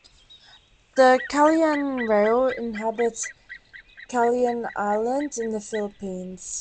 The Calayan rail, inhabits Calayan Island in the Philippines.